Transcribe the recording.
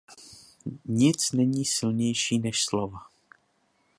Nic není silnější než slova.